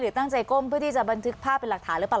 ตั้งใจก้มเพื่อที่จะบันทึกภาพเป็นหลักฐานหรือเปล่า